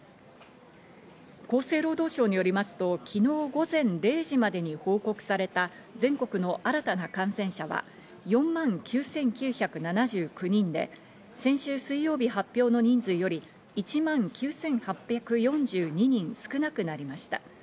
厚生労働省によりますと、昨日午前０時までに報告された全国の新たな感染者は４万９９７９人で、先週水曜日発表の人数より１万９８４２人少なくなりました。